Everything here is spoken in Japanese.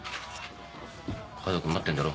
家族待ってんだろ？